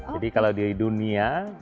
jadi kalau di dunia